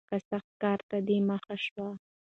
که سخت کار ته دې مخه شوه